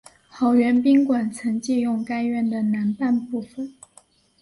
好园宾馆曾借用该院的南半部分。